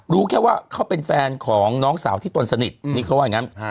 รู้แค่ว่าเขาเป็นแฟนของน้องสาวที่ตนสนิทนี่เขาว่าอย่างนั้น